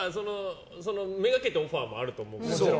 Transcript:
めがけたオファーもあると思うし。